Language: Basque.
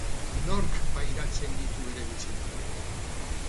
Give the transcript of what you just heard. Nork pairatzen ditu bere bisitak?